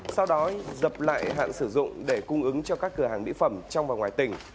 sau đó dập lại hạn sử dụng để cung ứng cho các cửa hàng mỹ phẩm trong và ngoài tỉnh